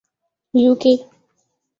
you کے